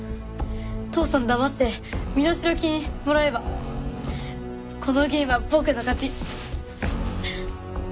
父さんだまして身代金もらえばこのゲームは僕の勝ち。